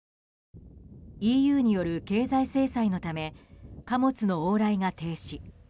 ＥＵによる経済制裁のため貨物の往来が停止。